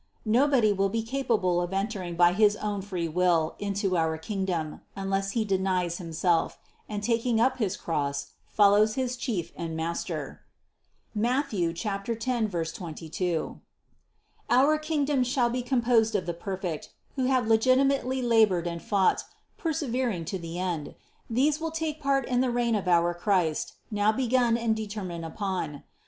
No body will be capable of entering by his own free will into our kingdom, unless he denies himself, and, taking up his cross, follows his Chief and Master (Matth. 10, 22). Our kingdom shall be composed of the perfect, who have legitimately labored and fought, persevering to the end. These will take part in the reign of our Christ, now begun and determined upon.